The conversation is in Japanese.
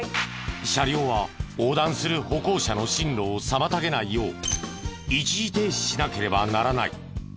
車両は横断する歩行者の進路を妨げないよう一時停止しなければならない。